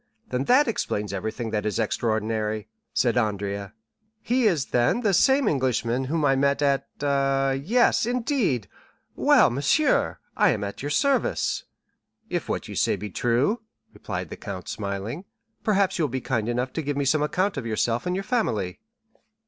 Then that explains everything that is extraordinary," said Andrea. "He is, then, the same Englishman whom I met—at—ah—yes, indeed. Well, monsieur, I am at your service." "If what you say be true," replied the count, smiling, "perhaps you will be kind enough to give me some account of yourself and your family?"